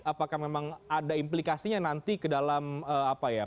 apakah memang ada implikasinya nanti ke dalam apa ya